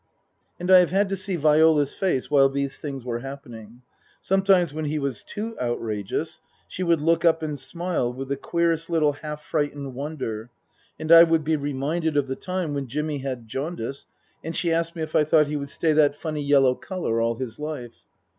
And I have had to see Viola's face while these things were happening. Sometimes, when he was too outrageous, she would look up and smile with the queerest little half frightened wonder, and I would be reminded of the time when Jimmy had jaundice and she asked me if I thought he would stay that funny yellow colour all his life